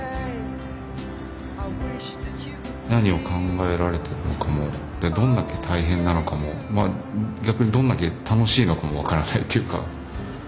何を考えられているのかもでどんだけ大変なのかもまあ逆にどんだけ楽しいのかも分からないっていうか。